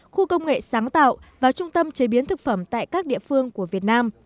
khu công nghệ sáng tạo và trung tâm chế biến thực phẩm tại các địa phương của việt nam